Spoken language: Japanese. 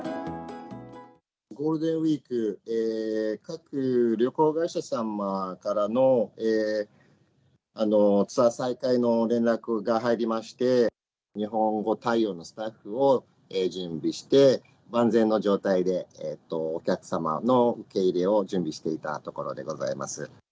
ゴールデンウィーク、各旅行会社様からのツアー再開の連絡が入りまして、日本語対応のスタッフを準備して、万全の状態でお客様の受け入れを準備していたところでございます。